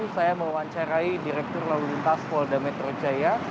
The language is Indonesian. saya mewawancarai direktur lalu lintas polda metro jaya